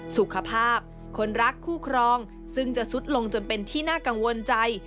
สุขภาพคนรักคู่ครองซึ่งจะสุดลงจนเป็นที่น่ากังวลใจ